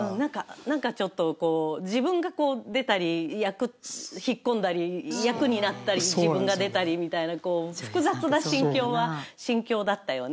なんかちょっと自分が出たり、役引っ込んだり、役になったり、自分が出たりみたいな、複雑な心境は、心境だったよね。